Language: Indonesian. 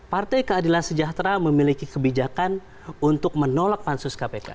partai keadilan sejahtera memiliki kebijakan untuk menolak pansus kpk